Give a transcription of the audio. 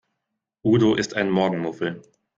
Udo ist ein Morgenmuffel.